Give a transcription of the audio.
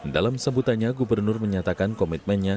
dalam sebutannya gubernur menyatakan komitmennya